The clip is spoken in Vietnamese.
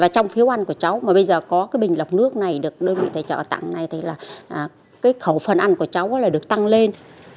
thì là cái khẩu phần ăn của cháu là được tăng lên